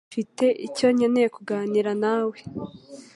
Mfite icyo nkeneye kuganira nawe.